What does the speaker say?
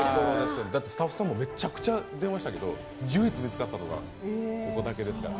だってスタッフさんもめちゃくちゃ電話したけど唯一見つかったのがここだけで。